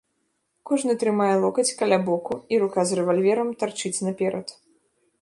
Кожны трымае локаць каля боку і рука з рэвальверам тарчыць наперад.